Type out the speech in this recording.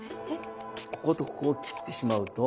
こことここを切ってしまうと。